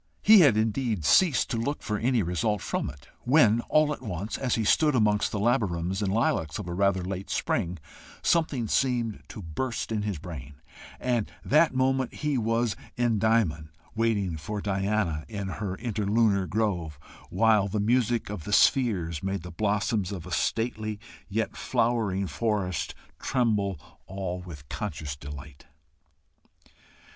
He had indeed ceased to look for any result from it, when all at once, as he stood amongst the laburnums and lilacs of a rather late spring, something seemed to burst in his brain, and that moment he was Endymion waiting for Diana in her interlunar grove, while the music of the spheres made the blossoms of a stately yet flowering forest, tremble all with conscious delight.